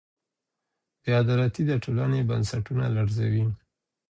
بې عدالتي د ټولني بنسټونه لړزوي.